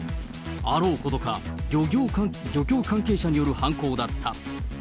あろうことか、漁協関係者による犯行だった。